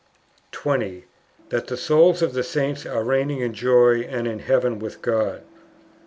20. That the souls of the Saints are reigning in joy and in heaven with God.